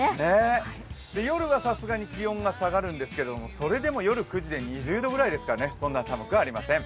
夜はさすがに気温は下がるんですけれども夜９時で２０度くらいですから、そんなに寒くありません。